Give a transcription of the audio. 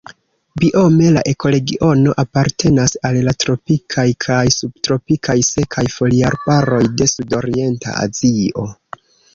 Biome la ekoregiono apartenas al la tropikaj kaj subtropikaj sekaj foliarbaroj de Sudorienta Azio.